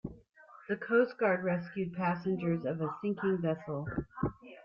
The coast guard rescued passengers of a sinking vessel.